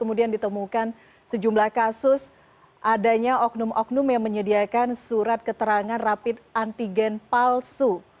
kemudian ditemukan sejumlah kasus adanya oknum oknum yang menyediakan surat keterangan rapid antigen palsu